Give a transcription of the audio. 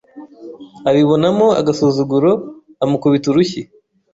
abibonamo agasuzuguro amukubita urushyi